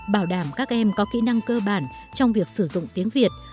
bảo đảm các em có kỹ năng cơ bản trong việc sử dụng tiếng việt